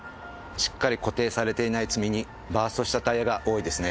しっかり固定されていない積み荷バーストしたタイヤが多いですね。